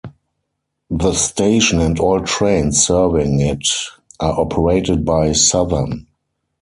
The station and all trains serving it are operated by Southern.